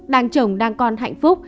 đang chồng đang con hạnh phúc